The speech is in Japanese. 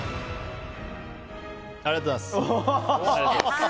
ありがとうございます。